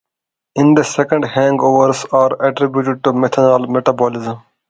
In the second, hangovers are attributed to methanol metabolism.